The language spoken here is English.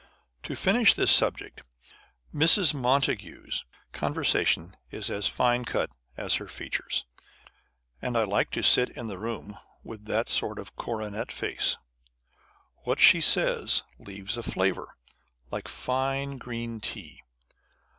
To finish this subject â€" Mrs. Montagu's conversation is as fine cut 54 On the Conversation of Authors. as her features, and I like to sit in the room with that sort of coronet face. What she says leaves a flavour, like fine green tea.